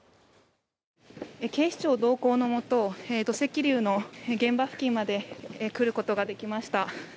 警視庁同行のもと土石流の現場付近まで来ることができました。